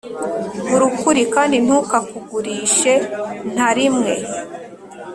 Gura ukuri kandi ntukakugurishe ntarimwe.